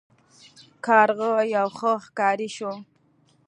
کارغه یو ښه ښکاري شو.